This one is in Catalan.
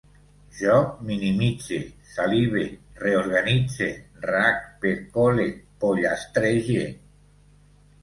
Jo minimitze, salive, reorganitze, rac, percole, pollastrege